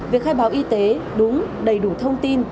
việc khai báo y tế đúng đầy đủ thông tin